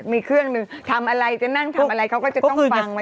มีเครื่องหนึ่งทำอะไรจะนั่งทำอะไรเขาก็จะต้องฟังไว้